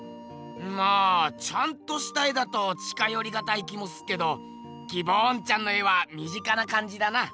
まあちゃんとした絵だと近よりがたい気もすっけどギボーンちゃんの絵は身近な感じだな。